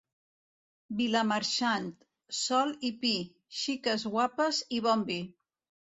Vilamarxant, sol i pi, xiques guapes i bon vi.